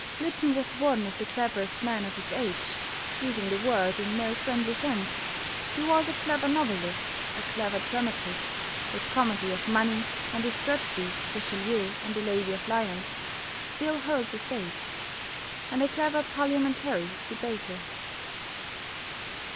Lytton was one of the cleverest men of his age using the word in no friendly sense he was a clever novelist, a clever dramatist (his comedy of "Money," and his tragedies "Richelieu" and "The Lady of Lyons," still hold the stage), and a clever Parliamentary debater.